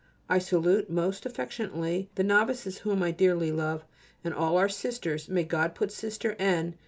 I salute most affectionately the novices whom I dearly love, and all our Sisters. May God put Sister N.